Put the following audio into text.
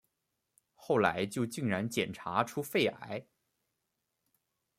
后来就竟然检查出肺癌